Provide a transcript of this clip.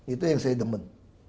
itu yang saya demen